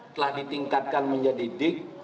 telah ditingkatkan menjadi dig